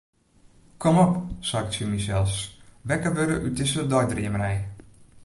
Kom op, sei ik tsjin mysels, wekker wurde út dizze deidreamerij.